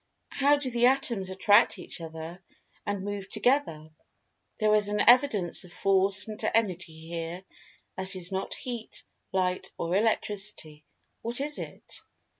How do the Atoms attract each other and move together? There is an evidence of Force and Energy here that is not Heat, Light or Electricity—what is it?